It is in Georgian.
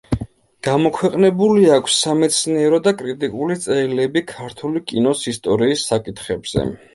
გამოქვეყნებული აქვს სამეცნიერო და კრიტიკული წერილები ქართული კინოს ისტორიის საკითხებზე.